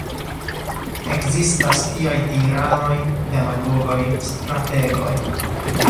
Ekzistas tiaj tiranoj, demagogoj, strategoj.